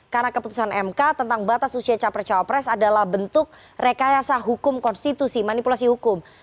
karena keputusan mk tentang batas usia capres capres adalah bentuk rekayasa hukum konstitusi manipulasi hukum